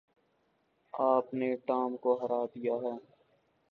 آپ نے ٹام کو ہرا دیا ہے۔